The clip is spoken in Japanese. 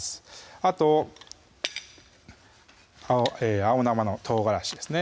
あと青生の唐辛子ですね